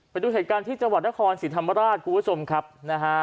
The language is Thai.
ไปดูเหตุการณ์ที่จังหวัดนครศรีธรรมราชคุณผู้ชมครับนะฮะ